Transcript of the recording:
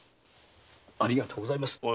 ありがとうございます。